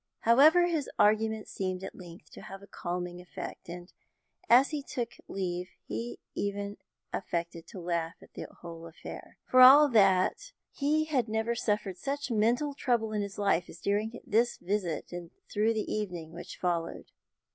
However, his arguments seemed at length to have a calming effect, and, as he took leave, he even affected to laugh at the whole affair. For all that, he had never suffered such mental trouble in his life as during this visit and throughout the evening which followed.